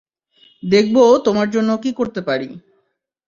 দেখব তোমার জন্য কী করতে পারি।